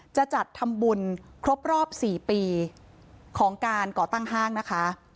จะจัดทำบุญครบรอบ๔ปีของการก่อตั้งห้างนะคะ